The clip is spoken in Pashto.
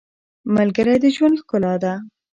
• ملګری د ژوند ښکلا ده.